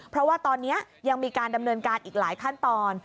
เพราะว่าตอนนี้ยังมีการดำเนินการอีกหลายขั้นตอน